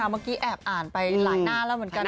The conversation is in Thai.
เมื่อกี้แอบอ่านไปหลายหน้าแล้วเหมือนกัน